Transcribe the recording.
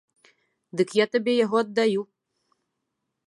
Дык я табе яго аддаю.